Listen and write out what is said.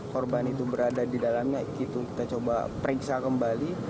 korban itu berada di dalamnya itu kita coba periksa kembali